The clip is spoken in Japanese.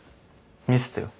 見せてよ。